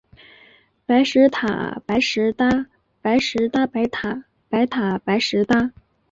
白石塔，白石搭。白石搭白塔，白塔白石搭